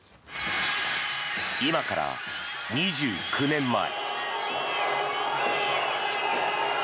今から２９年前。